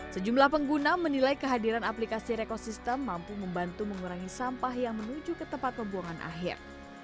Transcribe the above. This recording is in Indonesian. sejumlah pengguna menilai kehadiran aplikasi rekosistem mampu membantu mengurangi sampah yang menuju ke tempat pembuangan akhir